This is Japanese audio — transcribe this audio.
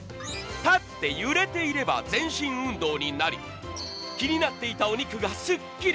立って揺れていれば全身運動になり、気になっていたお肉がすっきり。